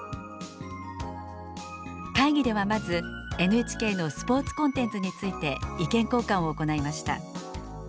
会議ではまずＮＨＫのスポーツコンテンツについて意見交換を行いました。